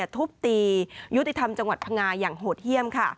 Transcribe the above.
ทุบตียุติธรรมจังหวัดพังงาอย่างโหดเยี่ยม